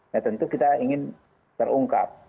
nah tentu kita ingin terungkap